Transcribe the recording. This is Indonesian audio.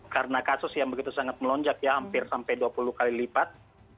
karena kasus yang begitu sangat melonjak ya hampir sampai dua puluh kali lipat